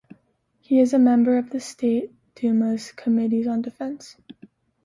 He is a member of the State Duma's Committees on Defense.